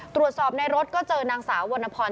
ตรวจสอบในรถก็เจอนางสาววรรณพร